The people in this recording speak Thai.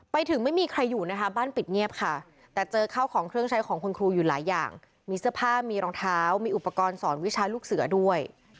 ไม่มีใครอยู่นะคะบ้านปิดเงียบค่ะแต่เจอข้าวของเครื่องใช้ของคุณครูอยู่หลายอย่างมีเสื้อผ้ามีรองเท้ามีอุปกรณ์สอนวิชาลูกเสือด้วย